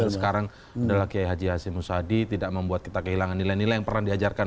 sekarang adalah kiai haji hashim musadi tidak membuat kita kehilangan nilai nilai yang pernah diajarkan